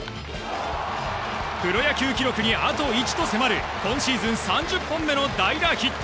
プロ野球記録にあと１と迫る今シーズン３０本目の代打ヒット。